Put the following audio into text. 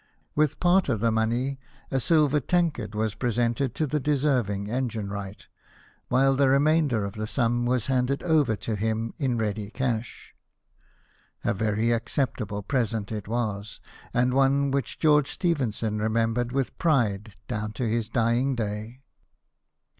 With part of the money, a silver tankard was presented to the deserving engine wright, while the remainder of the sum was handed over to him in ready cash. A very acceptable present it was, and one which George Stephenson remembered with pride down to his dying day.